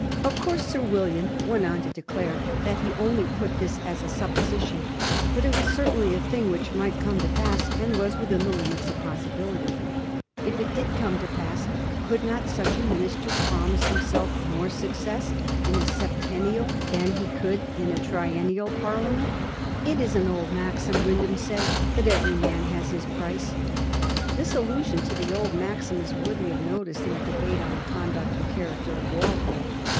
Of course Sir William went on to declare that he only put this as a supposition, but it was certainly a thing which might come to pass, and was within the limits of possi bility. If it did come to pass, could not such a minister promise himself more success in a septennial than he 1784. A SUPPOSITITIOUS MINISTER. 13 could in a triennial Parliament? '^It is an old maxim/' Wyndham said, " that every man has his price." This allusion to the old maxim is worthy of notice in a debate on the conduct and character of Walpole.